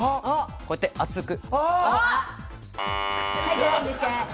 こうやって熱く。